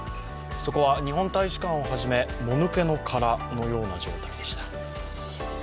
そこは、日本大使館をはじめもぬけの殻のような状態でした。